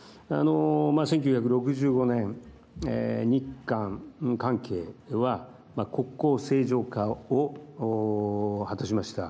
１９６５年日韓関係は国交正常化を果たしました。